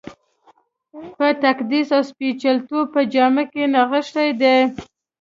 په تقدس او سپېڅلتوب په جامه کې نغښتی دی.